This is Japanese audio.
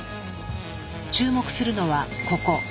注目するのはここ。